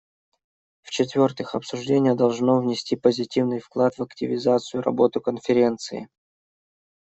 В-четвертых, обсуждение должно внести позитивный вклад в активизацию работы Конференции.